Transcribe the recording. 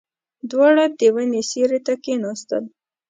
دواړه د ونې سيوري ته کېناستل.